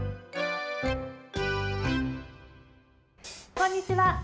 こんにちは。